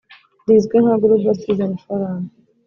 rizwi nka Global Citizen Forum